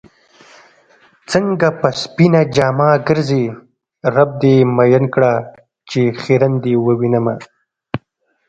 څنګه په سپينه جامه ګرځې رب دې مئين کړه چې خيرن دې ووينمه